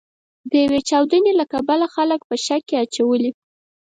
د یوې چاودنې له کبله خلک په شک کې اچولي.